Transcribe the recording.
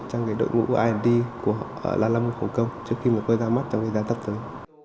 trong cái đội ngũ i d của lalamove hồng kông trước khi mới ra mắt trong thời gian tập tới